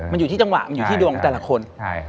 มันอยู่ที่จังหวะมันอยู่ที่ดวงแต่ละคน